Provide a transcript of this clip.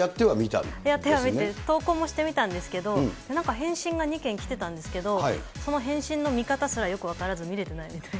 やってはみて、投稿もしてみたんですけど、なんか返信も２件来てたんですけど、その返信の見方すらよく分からず、見れてないみたいな。